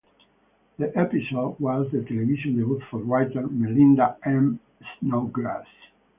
The episode was the television debut for writer Melinda M. Snodgrass.